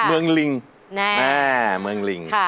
เมืองลิงอ่าเมืองลิงค่ะ